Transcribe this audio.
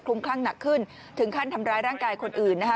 โปรดติดตามตำรวจ